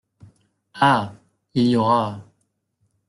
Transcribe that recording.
Ah !… il y aura…